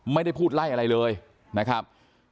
ไม่ได้พูดไล่อะไรเลยนะครับ